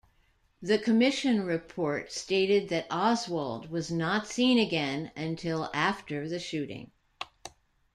The Commission report stated that Oswald was not seen again until after the shooting.